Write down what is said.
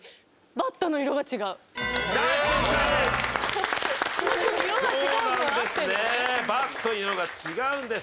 バットの色が違うんです！